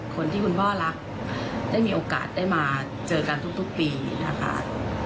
คุณพ่อรักได้มีโอกาสได้มาเจอกันทุกปีนะคะ